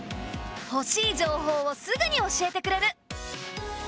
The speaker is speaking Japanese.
欲しい情報をすぐに教えてくれる。